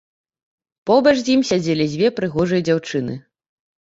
Побач з ім сядзелі дзве прыгожыя дзяўчыны.